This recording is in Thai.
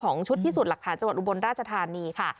ชุดพิสูจน์หลักฐานจังหวัดอุบลราชธานีค่ะ